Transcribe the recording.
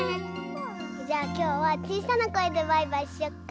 じゃあきょうはちいさなこえでバイバイしよっか？